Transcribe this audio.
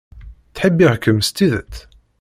Ttḥibbiɣ-kem s tidet.